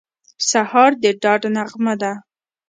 سهار د ډاډ نغمه ده.